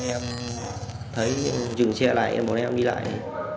em thấy dừng xe lại bọn em đi lại